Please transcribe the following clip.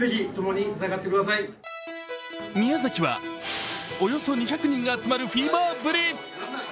宮崎はおよそ２００人が集まるフィーバーぶり。